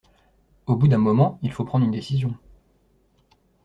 Au bout d'un moment, il faut prendre une décision.